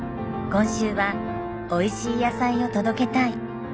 今週はおいしい野菜を届けたい。